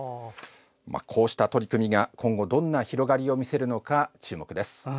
こうした取り組みが今後どんな広がりを見せるのか注目です。